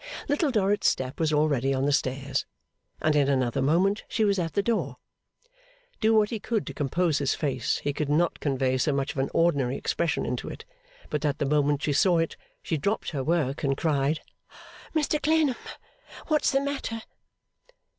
Little Dorrit's step was already on the stairs, and in another moment she was at the door. Do what he could to compose his face, he could not convey so much of an ordinary expression into it, but that the moment she saw it she dropped her work, and cried, 'Mr Clennam! What's the matter?